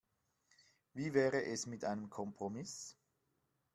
Wie wäre es mit einem Kompromiss?